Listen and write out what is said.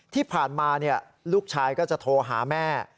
ที่ผ่านมาลูกชายก็จะโทรหาแม่